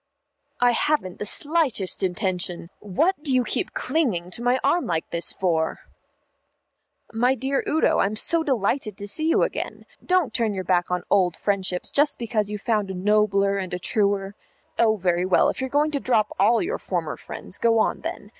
"I haven't the slightest intention what do you keep clinging to my arm like this for? "My dear Udo, I'm so delighted to see you again. Don't turn your back on old friendships just because you have found a nobler and a truer Oh, very well, if you're going to drop all your former friends, go on then.